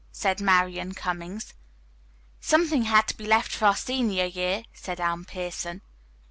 said Marian Cummings. "Something had to be left for our senior year," said Anne Pierson.